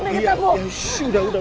kita cari sampai ketemu udah